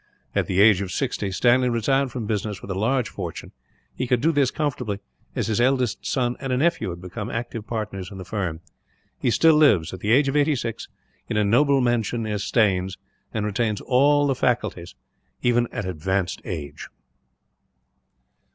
At the age of sixty, Stanley retired from business with a large fortune. He could do this comfortably, as his eldest son and a nephew had become active partners in the firm. He still lives, at the age of eighty six, in a noble mansion near Staines; and retains all the faculties, even at advanced age.